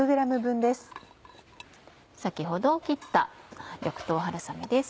先ほど切った緑豆春雨です。